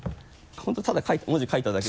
本当ただ文字書いただけ。